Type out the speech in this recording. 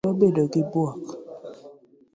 Kijasiri nobedo gi buok.